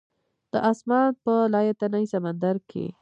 د اسمان په لایتناهي سمندر کې